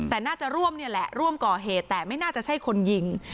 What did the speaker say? แต่น่าจะร่วมนี่แหละร่วมก่อเหตุแต่ไม่น่าจะใช่คนยิง